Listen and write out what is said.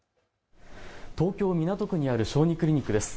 東京港区にある小児クリニックです。